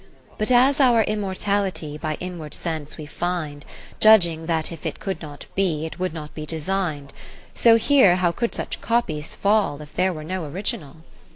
II But as our immortality By inward sense we find, Judging that if it could not be, It would not be design'd : 10 So here how could such copies fall, If there were no original